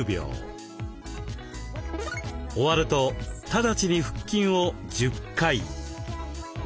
終わるとただちに腹筋を１０回。